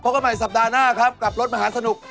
กันใหม่สัปดาห์หน้าครับกับรถมหาสนุก